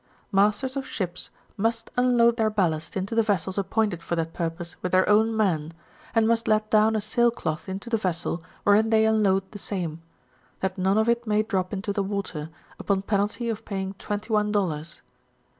Masters of ships must unload their ballast into the vessels appointed for that purpose with their own men, and must let down a sail cloth into the vessel wherein they unload the same, that none of it may drop into the water, upon penalty of paying 21 dollars.